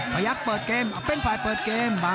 กระยักเปิดเกม